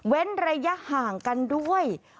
ระยะห่างกันด้วย